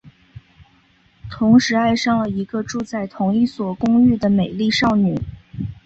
同时爱上了一个住在同一所公寓的美丽少女。